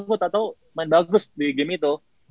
gue gak tau main bagus di game itu